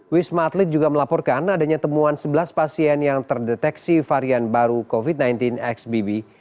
wisma atlet juga melaporkan adanya temuan sebelas pasien yang terdeteksi varian baru covid sembilan belas xbb